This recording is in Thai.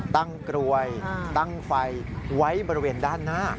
กรวยตั้งไฟไว้บริเวณด้านหน้า